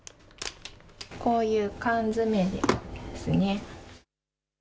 こういう缶詰ですね。